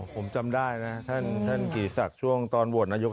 ผมจำได้นะท่านกิติศักดิ์ช่วงตอนโหวตนายก